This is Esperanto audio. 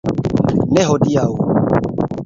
Ne hodiaŭ.